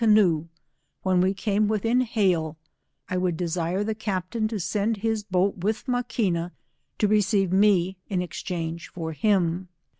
canoe, when we came with in hail, I would desire the captain to send his boat with Maquina, to receive me in exchange for him.